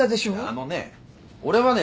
あのね俺はね